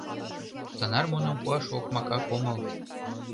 Тынар муным пуаш окмакак омыл.